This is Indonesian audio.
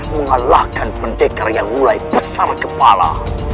mengalahkan pendekar yang mulai besar kepala